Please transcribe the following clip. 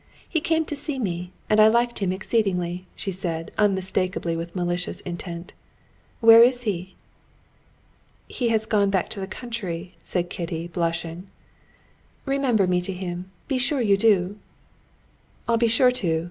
He came to see me, and I liked him exceedingly," she said, unmistakably with malicious intent. "Where is he?" "He has gone back to the country," said Kitty, blushing. "Remember me to him, be sure you do." "I'll be sure to!"